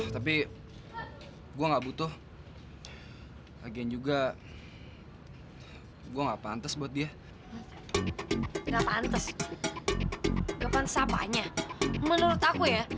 tapi gua nggak butuh agen juga gua nggak pantas buat dia nggak pantas pantas apanya menurut aku ya